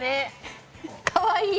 かわいい。